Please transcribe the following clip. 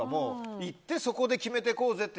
行ってそこで決めていこうぜって。